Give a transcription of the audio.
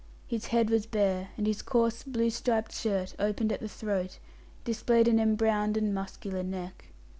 His head was bare, and his coarse, blue striped shirt, open at the throat, displayed an embrowned and muscular neck.